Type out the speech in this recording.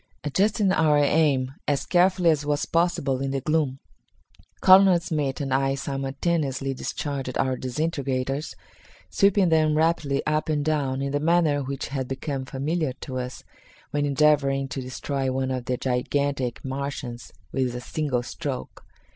Adjusting our aim as carefully as was possible in the gloom, Colonel Smith and I simultaneously discharged our disintegrators, sweeping them rapidly up and down in the manner which had become familiar to us when endeavoring to destroy one of the gigantic Martians with a single stroke.